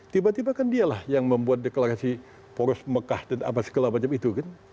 tiba tiba kan dialah yang membuat deklarasi poros mekah dan sebagainya